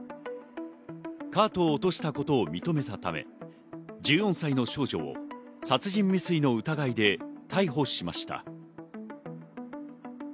カートを落としたことを認めたため、１４歳の少女を殺人未遂の疑いで逮捕しました。